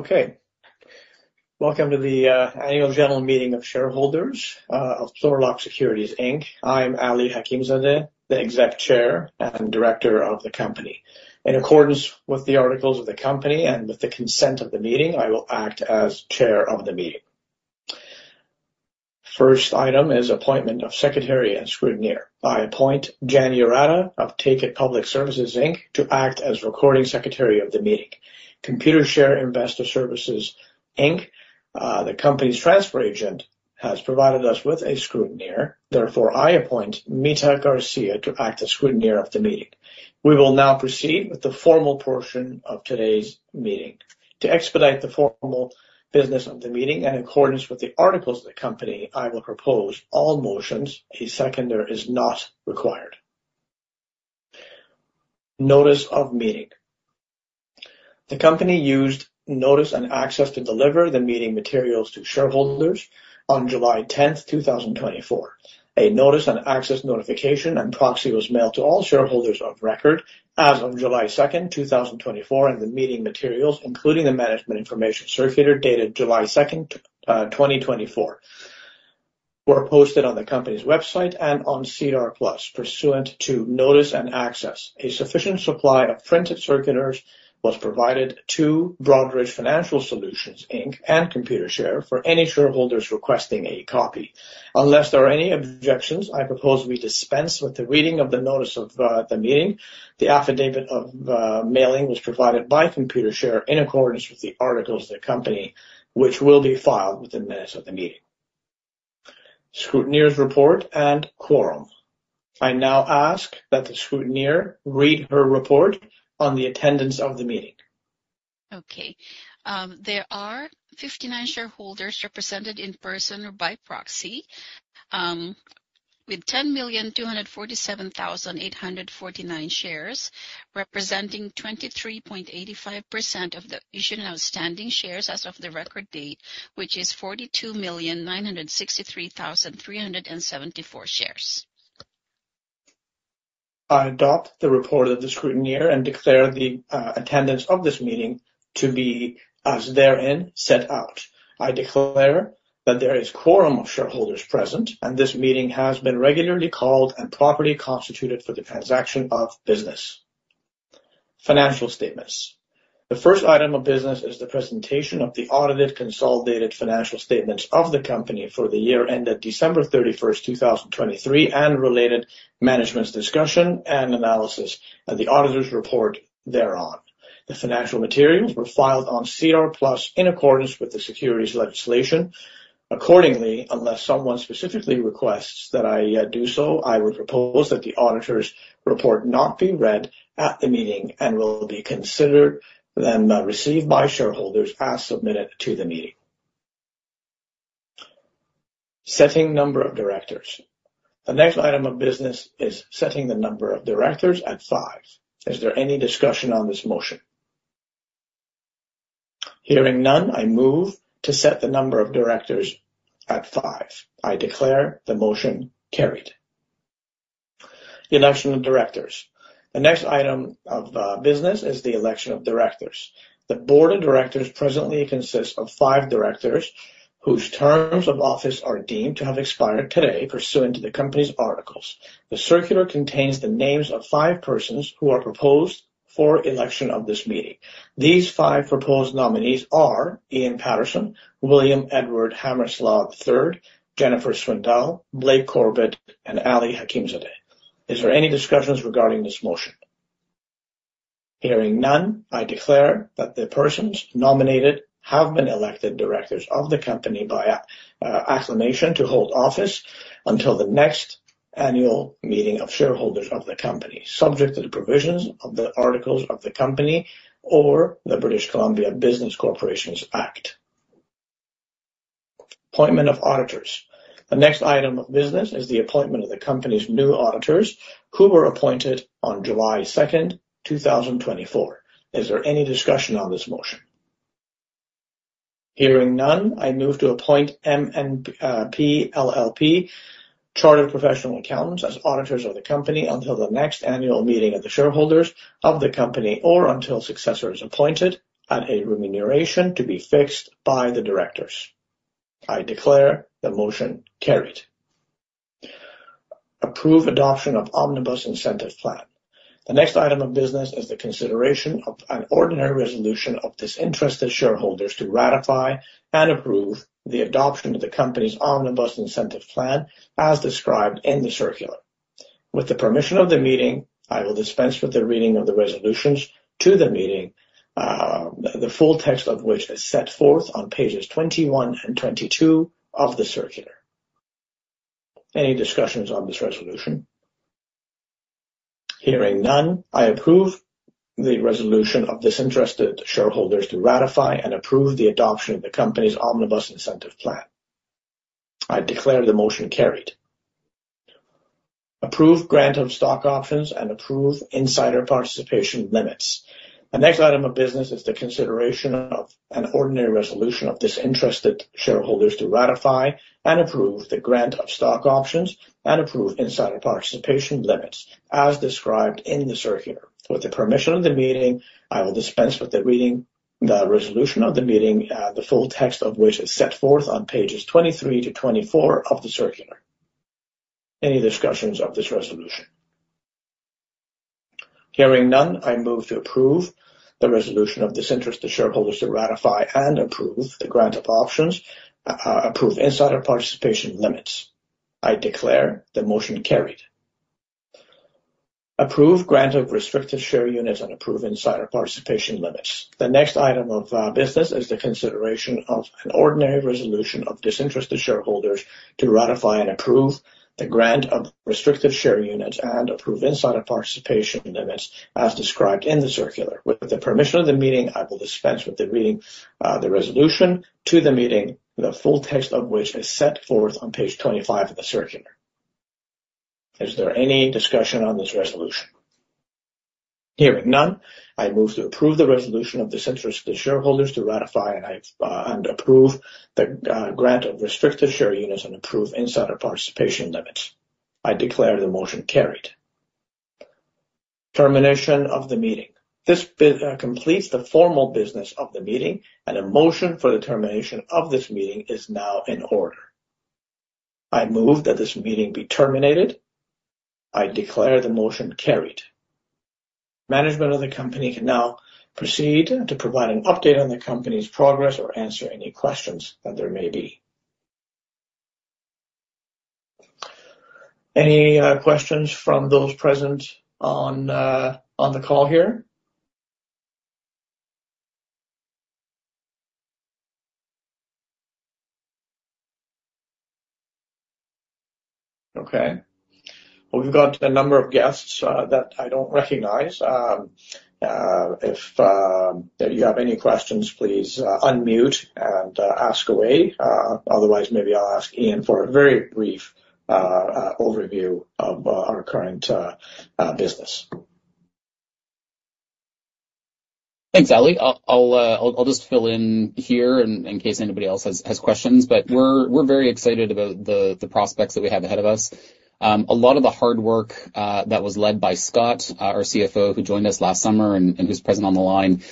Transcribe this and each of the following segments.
Okay, welcome to the annual general meeting of shareholders of Plurilock Security Inc. I'm Ali Hakimzadeh, the Executive Chair and Director of the company. In accordance with the articles of the company and with the consent of the meeting, I will act as chair of the meeting. First item is appointment of secretary and scrutineer. I appoint Jan Urata of Take It Public Services Inc. to act as recording secretary of the meeting. Computershare Investor Services Inc., the company's transfer agent, has provided us with a scrutineer. Therefore, I appoint Mita Garcia to act as scrutineer of the meeting. We will now proceed with the formal portion of today's meeting. To expedite the formal business of the meeting and in accordance with the articles of the company, I will propose all motions. A seconder is not required. Notice of meeting. The company used notice and access to deliver the meeting materials to shareholders on July tenth, two thousand and twenty-four. A notice and access notification and proxy was mailed to all shareholders of record as on July second, two thousand and twenty-four, and the meeting materials, including the management information circular, dated July second, twenty twenty-four, were posted on the company's website and on SEDAR+, pursuant to notice and access. A sufficient supply of printed circulars was provided to Broadridge Financial Solutions, Inc. and Computershare for any shareholders requesting a copy. Unless there are any objections, I propose we dispense with the reading of the notice of the meeting. The affidavit of mailing was provided by Computershare in accordance with the articles of the company, which will be filed with the minutes of the meeting. Scrutineer's report and quorum. I now ask that the scrutineer read her report on the attendance of the meeting. Okay, there are 59 shareholders represented in person or by proxy, with 10,247,849 shares, representing 23.85% of the issued and outstanding shares as of the record date, which is 42,963,374 shares. I adopt the report of the scrutineer and declare the attendance of this meeting to be as therein set out. I declare that there is quorum of shareholders present, and this meeting has been regularly called and properly constituted for the transaction of business. Financial statements. The first item of business is the presentation of the audited, consolidated financial statements of the company for the year ended December 31, 2023, and related management's discussion and analysis and the auditor's report thereon. The financial materials were filed on SEDAR+, in accordance with the securities legislation. Accordingly, unless someone specifically requests that I do so, I would propose that the auditor's report not be read at the meeting and will be considered, then, received by shareholders as submitted to the meeting. Setting number of directors. The next item of business is setting the number of directors at five. Is there any discussion on this motion? Hearing none, I move to set the number of directors at five. I declare the motion carried. The election of directors. The next item of business is the election of directors. The board of directors presently consists of five directors whose terms of office are deemed to have expired today, pursuant to the company's articles. The circular contains the names of five persons who are proposed for election of this meeting. These five proposed nominees are Ian Paterson, William Edward Hammersla III, Jennifer Swindell, Blake Corbet, and Ali Hakimzadeh. Is there any discussions regarding this motion? Hearing none, I declare that the persons nominated have been elected directors of the company by acclamation to hold office until the next annual meeting of shareholders of the company, subject to the provisions of the articles of the company or the British Columbia Business Corporations Act. Appointment of auditors. The next item of business is the appointment of the company's new auditors, who were appointed on July 2, 2024. Is there any discussion on this motion? Hearing none, I move to appoint MNP LLP, chartered professional accountants, as auditors of the company until the next annual meeting of the shareholders of the company or until successor is appointed at a remuneration to be fixed by the directors. I declare the motion carried. Approve adoption of Omnibus Incentive Plan. The next item of business is the consideration of an ordinary resolution of disinterested shareholders to ratify and approve the adoption of the company's Omnibus Incentive Plan, as described in the circular. With the permission of the meeting, I will dispense with the reading of the resolutions to the meeting, the full text of which is set forth on pages 21 and 22 of the circular. Any discussions on this resolution? Hearing none, I approve the resolution of disinterested shareholders to ratify and approve the adoption of the company's Omnibus Incentive Plan. I declare the motion carried. Approve grant of stock options and approve insider participation limits. The next item of business is the consideration of an ordinary resolution of disinterested shareholders to ratify and approve the grant of stock options and approve insider participation limits, as described in the circular. With the permission of the meeting, I will dispense with the reading. The resolution of the meeting, the full text of which is set forth on pages 23 to 24 of the circular. Any discussions of this resolution? Hearing none, I move to approve the resolution of disinterested shareholders to ratify and approve the grant of options, approve insider participation limits. I declare the motion carried. Approve grant of restricted share units and approve insider participation limits. The next item of business is the consideration of an ordinary resolution of disinterested shareholders to ratify and approve the grant of restricted share units and approve insider participation limits as described in the circular. With the permission of the meeting, I will dispense with the reading, the resolution to the meeting, the full text of which is set forth on page 25 of the circular. Is there any discussion on this resolution? Hearing none, I move to approve the resolution of disinterested shareholders to ratify and I, and approve the, grant of restricted Share Units and approve insider participation limits. I declare the motion carried. Termination of the meeting. This completes the formal business of the meeting, and a motion for the termination of this meeting is now in order. I move that this meeting be terminated. I declare the motion carried. Management of the company can now proceed to provide an update on the company's progress or answer any questions that there may be. Any questions from those present on, on the call here? Okay. Well, we've got a number of guests, that I don't recognize. If, if you have any questions, please, unmute and, ask away. Otherwise, maybe I'll ask Ian for a very brief overview of our current business. Thanks, Ali. I'll just fill in here in case anybody else has questions, but we're very excited about the prospects that we have ahead of us. A lot of the hard work that was led by Scott, our CFO, who joined us last summer and who's present on the line,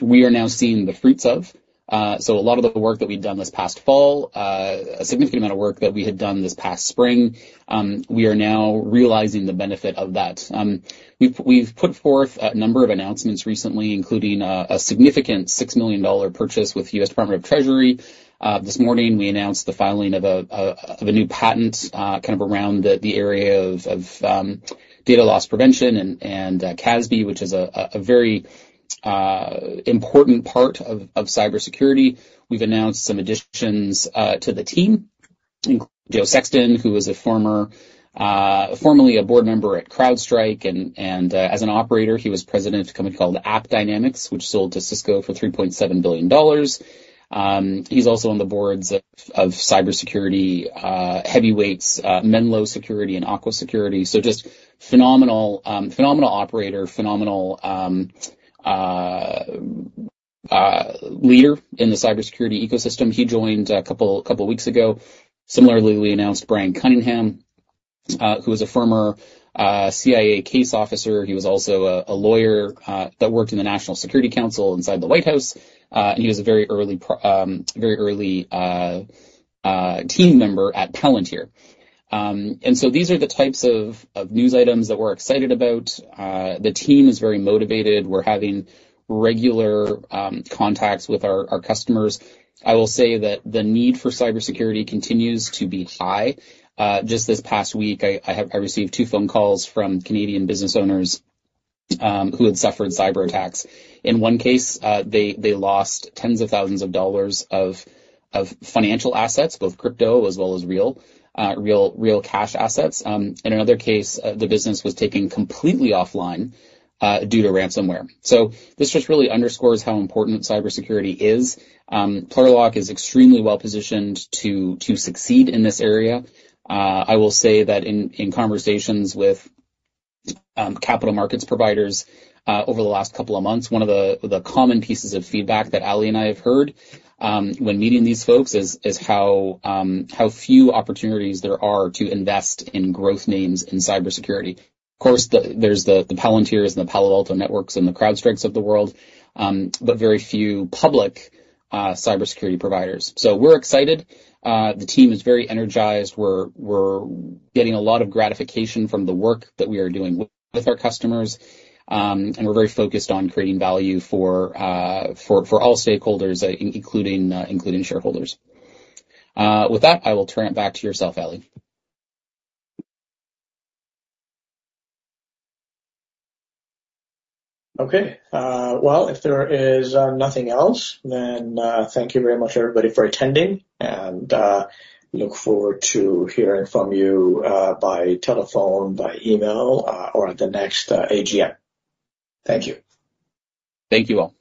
we are now seeing the fruits of. So a lot of the work that we've done this past fall, a significant amount of work that we had done this past spring, we are now realizing the benefit of that. We've put forth a number of announcements recently, including a significant $6 million purchase with the U.S. Department of the Treasury. This morning, we announced the filing of a new patent kind of around the area of data loss prevention and CASB, which is a very important part of cybersecurity. We've announced some additions to the team, including Joe Sexton, who was formerly a board member at CrowdStrike, and as an operator, he was president of a company called AppDynamics, which sold to Cisco for $3.7 billion. He's also on the boards of cybersecurity heavyweights Menlo Security and Aqua Security. So just phenomenal phenomenal operator, phenomenal leader in the cybersecurity ecosystem. He joined a couple weeks ago. Similarly, we announced Bryan Cunningham, who was a former CIA case officer. He was also a lawyer that worked in the National Security Council inside the White House, and he was a very early team member at Palantir. So these are the types of news items that we're excited about. The team is very motivated. We're having regular contacts with our customers. I will say that the need for cybersecurity continues to be high. Just this past week, I received two phone calls from Canadian business owners who had suffered cyberattacks. In one case, they lost tens of thousands of dollars of financial assets, both crypto as well as real cash assets. In another case, the business was taken completely offline due to ransomware. So this just really underscores how important cybersecurity is. Plurilock is extremely well positioned to succeed in this area. I will say that in conversations with capital markets providers over the last couple of months, one of the common pieces of feedback that Ali and I have heard when meeting these folks is how few opportunities there are to invest in growth names in cybersecurity. Of course, there's the Palantir and the Palo Alto Networks and the CrowdStrike of the world, but very few public cybersecurity providers. So we're excited. The team is very energized. We're getting a lot of gratification from the work that we are doing with our customers, and we're very focused on creating value for all stakeholders, including shareholders. With that, I will turn it back to yourself, Ali. Okay. Well, if there is nothing else, then thank you very much, everybody, for attending, and look forward to hearing from you by telephone, by email, or at the next AGM. Thank you. Thank you all.